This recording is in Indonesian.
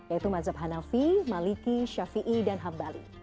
yaitu mazhab hanafi maliki syafi'i dan hambali